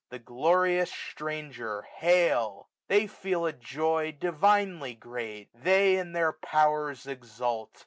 The glorious stranger hail. They feel a joy 1 7 15 Divinely great i they in their powers exult